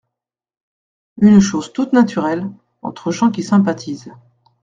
Une chose toute naturelle… entre gens qui sympathisent…